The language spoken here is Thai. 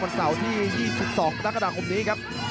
วันเสาร์ที่๒๒นักกระดาษคลุมนี้ครับ